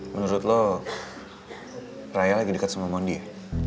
menurut lo raya lagi dekat sama mondi ya